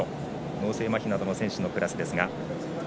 脳性まひなどの選手のクラスです。